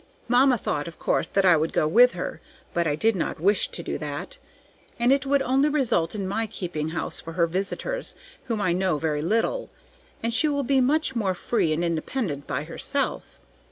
Mamma thought of course that I would go with her, but I did not wish to do that, and it would only result in my keeping house for her visitors, whom I know very little; and she will be much more free and independent by herself.